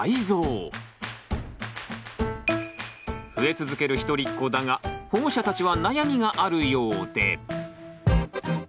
増え続けるひとりっ子だが保護者たちは悩みがあるようで。